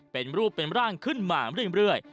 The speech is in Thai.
เป็นรูปเป็นร่างขึ้นมาเรื่อย